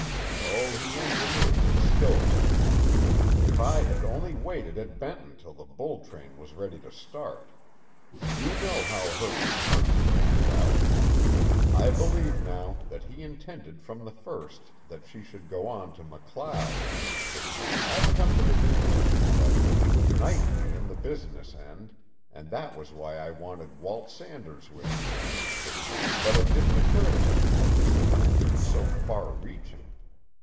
Oh, he engineered it skilfully. If I had only waited at Benton till the bull train was ready to start! "You know how her returning panned out. I believe now, that he intended from the first that she should go on to MacLeod. I'd come to the conclusion that he would knife me on the business end, and that was why I wanted Walt Sanders with me. But it didn't occur to me that his plans were so far reaching.